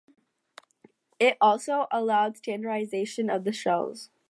It also allowed standardization of the shells.